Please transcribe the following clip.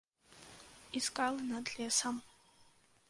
І скалы над лесам.